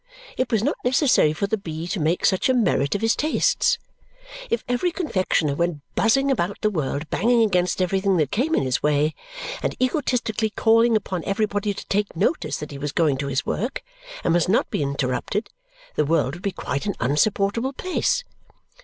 It was not necessary for the bee to make such a merit of his tastes. If every confectioner went buzzing about the world banging against everything that came in his way and egotistically calling upon everybody to take notice that he was going to his work and must not be interrupted, the world would be quite an unsupportable place.